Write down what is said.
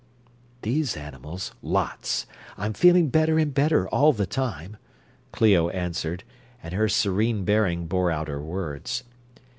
"These animals, lots. I'm feeling better and better all the time," Clio answered, and her serene bearing bore out her words.